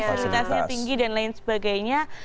fasilitasnya tinggi dan lain sebagainya